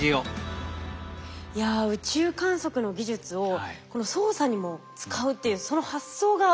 いや宇宙観測の技術をこの捜査にも使うっていうその発想がものすごい興味深いですね。